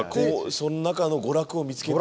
その中の娯楽を見つけて。